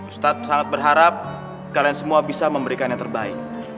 ustadz sangat berharap kalian semua bisa memberikan yang terbaik